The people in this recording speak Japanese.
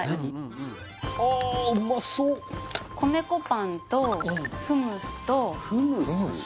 米粉パンとフムスとフムス？